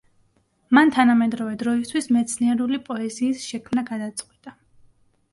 მან თანამედროვე დროისთვის მეცნიერული პოეზიის შექმნა გადაწყვიტა.